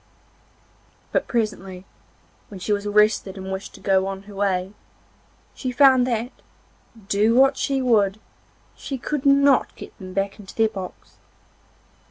But presently, when she was rested and wished to go on her way, she found that, do what she would, she could not get them back into their box.